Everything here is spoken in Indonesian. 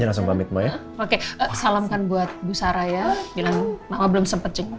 langsung pamitnya oke salamkan buat busara ya bilang mama belum sempet